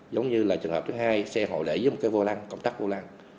giống như là trường hợp thứ hai xe họ để dưới một cái vô lăng công tắc vô lăng